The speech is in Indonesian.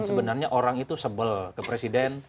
sebenarnya orang itu sebel ke presiden